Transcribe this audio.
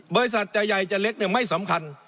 บริษัทจะใหญ่จะเล็กไม่สำคัญ